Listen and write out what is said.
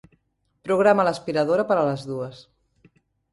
Programa l'aspiradora per a les dues.